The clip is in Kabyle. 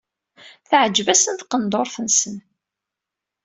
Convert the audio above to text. Teɛǧeb-asen tqenṭert-nsen.